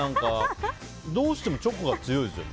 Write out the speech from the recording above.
どうしてもチョコが強いですよね。